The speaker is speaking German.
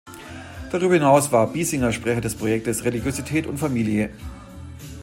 Darüber hinaus war Biesinger Sprecher des Projekts „Religiosität und Familie.